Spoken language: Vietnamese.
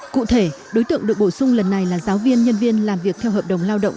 cụ thể đối tượng được bổ sung lần này là giáo viên nhân viên làm việc theo hợp đồng lao động